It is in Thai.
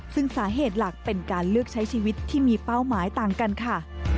ซึ่งสาเหตุหลักเป็นการเลือกใช้ชีวิตที่มีเป้าหมายต่างกันค่ะ